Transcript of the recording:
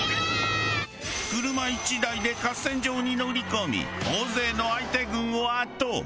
車１台で合戦場に乗り込み大勢の相手軍を圧倒。